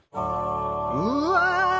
うわ！